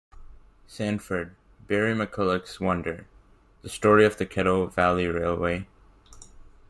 Sanford, Barrie "McCulloch's Wonder: The Story of the Kettle Valley Railway"